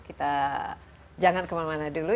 kita jangan kemana mana dulu